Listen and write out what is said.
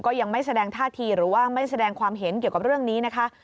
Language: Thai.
ก็ยังไม่แสดงท่าทีหรือว่าไม่แสดงความเห็นเกี่ยวกับเรื่องนี้นะคะ